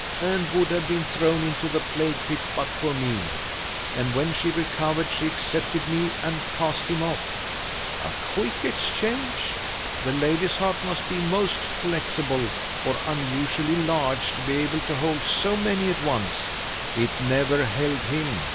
"And would have been thrown into the plague pit but for me. And when she recovered she accepted me and cast him off!" "A quick exchange! The lady's heart must be most flexible, or unusually large, to be able to hold so many at once." "It never held him!"